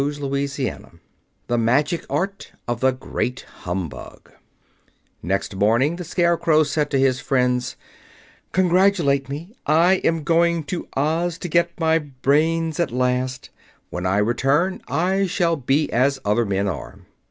Chapter XVI The Magic Art of the Great Humbug Next morning the Scarecrow said to his friends: "Congratulate me. I am going to Oz to get my brains at last. When I return I shall be as other men are."